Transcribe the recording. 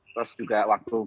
terus juga waktu